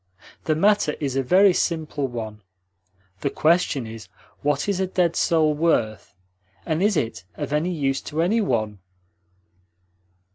The matter is a very simple one. The question is: what is a dead soul worth, and is it of any use to any one?"